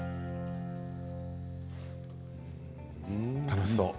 楽しそう。